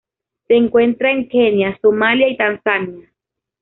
Se encuentra en Kenia, Somalia y Tanzania.